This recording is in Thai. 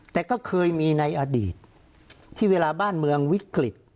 แต่ก็เคยมีในอดีตที่เวลาบ้านเมืองวิกฤต